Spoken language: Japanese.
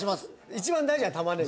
一番大事なのは玉ねぎ？